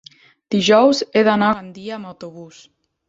Dijous he d'anar a Gandia amb autobús.